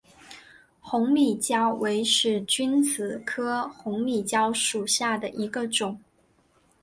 红里蕉为使君子科红里蕉属下的一个种。